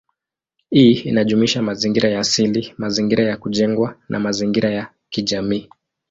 Hii inajumuisha mazingira ya asili, mazingira ya kujengwa, na mazingira ya kijamii.